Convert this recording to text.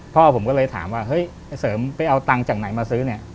พ่อผมก็เลยถามว่าเฮ้ยไอ้เสริมไปเอาตังค์จากไหนมาซื้อเนี่ย